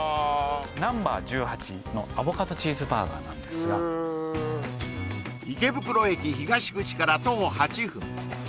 Ｎｏ．１８のアボカドチーズバーガーなんですが池袋駅東口から徒歩８分